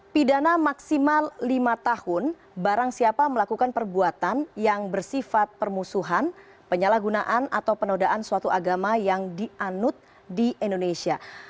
pidana maksimal lima tahun barang siapa melakukan perbuatan yang bersifat permusuhan penyalahgunaan atau penodaan suatu agama yang dianut di indonesia